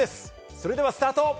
それではスタート！